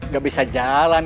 gak bisa jalan